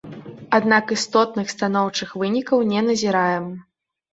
Аднак істотных станоўчых вынікаў не назіраем.